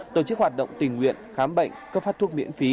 tổ chức hoạt động tình nguyện khám bệnh cấp phát thuốc miễn phí